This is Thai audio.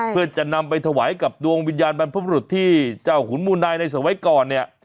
เพื่อจะนำไปถวายกับดวงวิญญาณบรรพบรุษที่เจ้าขุนมูนายในสมัยก่อนเนี่ย